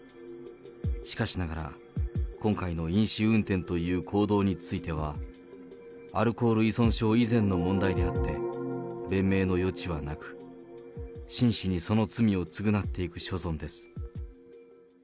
しかしながら、今回の飲酒運転という行動については、アルコール依存症以前の問題であって、弁明の余地はなく、真摯にその罪を償っていく所存です。